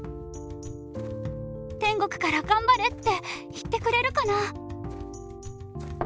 天国から頑張れって言ってくれるかな。